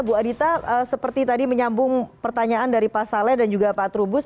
bu adita seperti tadi menyambung pertanyaan dari pak saleh dan juga pak trubus